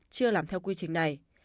chưa làm theo quy trình này